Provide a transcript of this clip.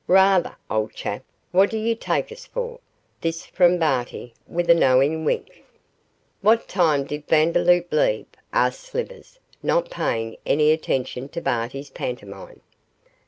'Rather, old chap; what do you take us for?' this from Barty, with a knowing wink. 'What time did Vandeloup leave?' asked Slivers, not paying any attention to Barty's pantomime.